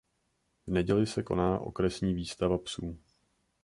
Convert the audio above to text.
V neděli se koná okresní výstava psů.